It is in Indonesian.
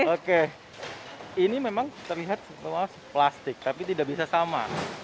oke ini memang terlihat plastik tapi tidak bisa sama